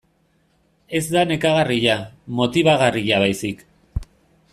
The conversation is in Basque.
Ez da nekagarria, motibagarria baizik.